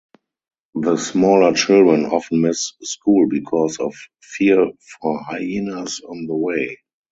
The smaller children often miss school because of fear for hyenas on the way.